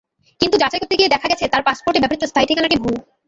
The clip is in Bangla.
কিন্তু যাচাই করতে গিয়ে দেখা গেছে, তাঁর পাসপোর্টে ব্যবহৃত স্থায়ী ঠিকানাটি ভুয়া।